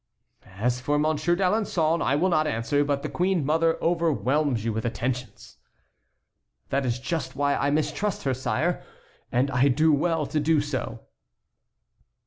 "As for Monsieur d'Alençon I will not answer; but the queen mother overwhelms you with attentions." "That is just why I mistrust her, sire. And I do well to do so."